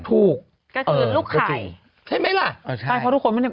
ถูกก็คือลูกขาย